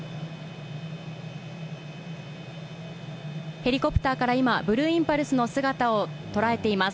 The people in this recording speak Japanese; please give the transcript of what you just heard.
ヘリコプターから今、ブルーインパルスの姿を捉えています。